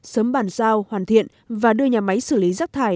sớm bàn giao hoàn thiện và đưa nhà máy xử lý rác thải